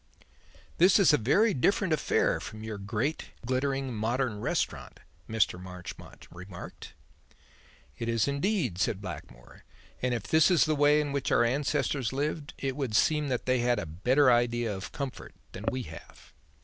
"This is a very different affair from your great, glittering modern restaurant," Mr. Marchmont remarked. "It is indeed," said Blackmore, "and if this is the way in which our ancestors lived, it would seem that they had a better idea of comfort than we have."